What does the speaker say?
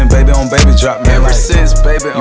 nah itu dia basket juga atau gimana tuh